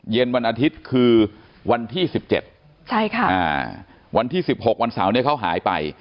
วันอาทิตย์คือวันที่๑๗วันที่๑๖วันเสาร์เขาหายไป